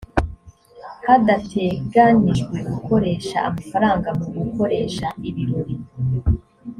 hadateganijwe gukoresha amafaranga mu gukoresha ibirori